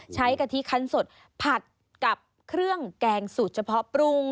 กะทิคันสดผัดกับเครื่องแกงสูตรเฉพาะปรุง